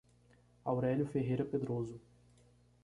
Aurelio Ferreira Pedroso